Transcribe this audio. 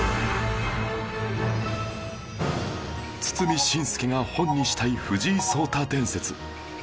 堤伸輔が本にしたい藤井聡太伝説